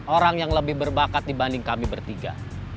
orang yang lebih berbakat dibanding kami bertiga